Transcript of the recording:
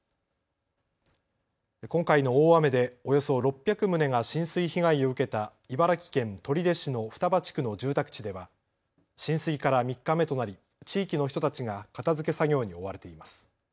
今回の大雨でおよそ６００棟が浸水被害を受けた茨城県取手市の双葉地区の住宅地では浸水から３日目となり地域の人たちが片づけ作業に追われています。